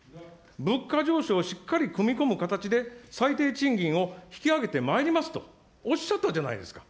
物価上昇をしっかり組み込む形で、最低賃金を引き上げてまいりますとおっしゃったじゃないですか。